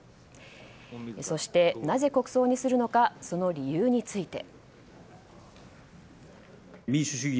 そして、なぜ国葬にするのかその理由について。